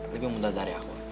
lebih muda dari aku